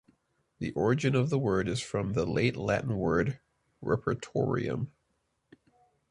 The origin of the word is from the Late Latin word "repertorium".